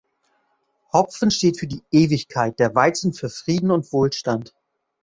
Hopfen steht für die Ewigkeit, der Weizen für Frieden und Wohlstand.